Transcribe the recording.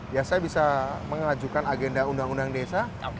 ya saya bisa mengajukan agenda undang undang desa